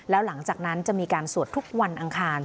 แล้วหลังจากนั้นจะมีการสวดทุกวันอังคาร